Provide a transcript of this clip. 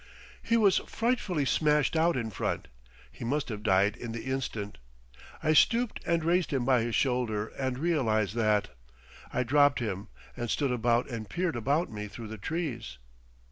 He was frightfully smashed out in front; he must have died in the instant. I stooped and raised him by his shoulder and realised that. I dropped him, and stood about and peered about me through the trees.